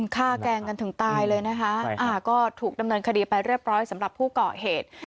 แกล้งกันถึงตายเลยนะคะก็ถูกดำเนินคดีไปเรียบร้อยสำหรับผู้เกาะเหตุ